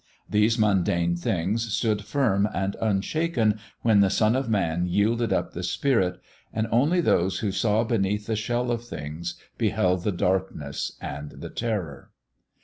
These mundane things stood firm and unshaken when the Son of Man yielded up the spirit, and only those who saw beneath the shell of things beheld the darkness and the terror.